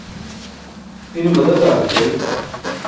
ine madad aar ećai